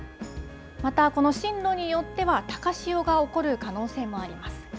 また、この進路によっては高潮が起こる可能性もあります。